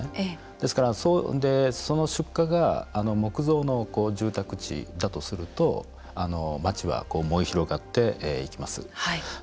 ですからその出火が木造の住宅地だとすると街は燃え広がっていきます。